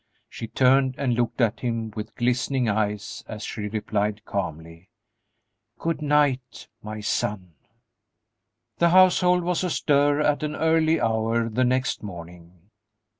She turned and looked at him with glistening eyes, as she replied, calmly, "Good night, my son!" The household was astir at an early hour the next morning.